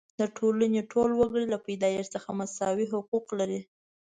د ټولنې ټول وګړي له پیدایښت څخه مساوي حقوق لري.